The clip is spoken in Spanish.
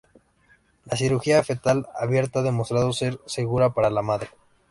La cirugía fetal abierta ha demostrado ser segura para la madre.